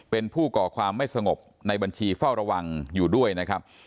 เป็นผู้ก่อความไม่สงบในบัญชีเฝ้าระวังอยู่ด้วยนะครับ